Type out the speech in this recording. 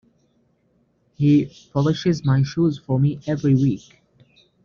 He polishes my shoes for me every week.